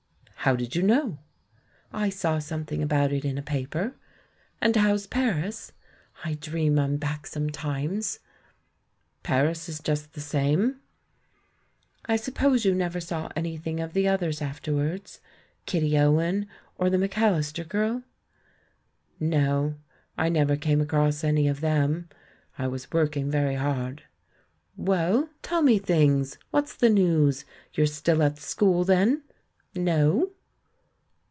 *'How did you know?" "I saw something about it in a paper. And how's Paris? I dream I'm back sometimes." "Paris is just the same." "I suppose you never saw anj^thing of the oth ers afterwards — Kitty Owen, or the INIacAlhster girl?" "No, I never came across any of them — I was working very hard. Well? Tell me things; what's the news? You're still at the school then?" "No."